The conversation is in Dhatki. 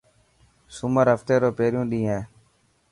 سومر هفتي رو پهريون ڏينهن هي.